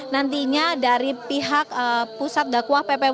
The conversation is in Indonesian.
nantinya dari pihak pusat dakwah pp muhammadiyah